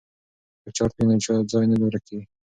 که چارت وي نو ځای نه ورکیږي.